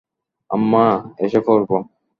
আম্মা, এসে পড়বো।